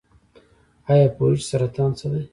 ایا پوهیږئ چې سرطان څه دی؟